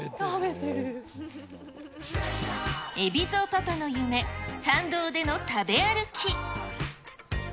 海老蔵パパの夢、参道での食べ歩き。